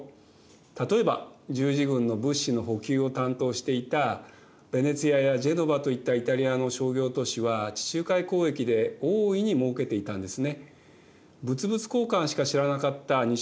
例えば十字軍の物資の補給を担当していたヴェネツィアやジェノヴァといったイタリアの商業都市は地中海交易で大いにもうけていたんですね。